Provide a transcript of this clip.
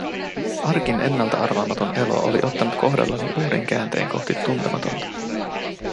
Arkin ennalta arvaamaton elo oli ottanut kohdallani uuden käänteen kohti tuntematonta.